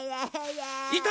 いた！